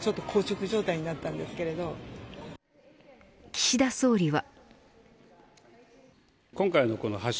岸田総理は。